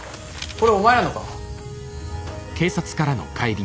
これお前らのか？